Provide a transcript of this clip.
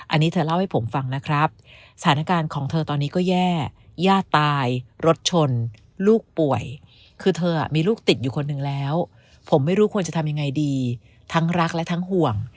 อันนี้เธอเล่าให้ผมฟังนะครับสถานการณ์ของเธอตอนนี้ก็แย่ย่าตายรถชนลูกป่วยคือเธอมีลูกติดอยู่คนหนึ่งแล้วผมไม่รู้ควรจะทำยังไงดีทั้งรักและทั้งห่วง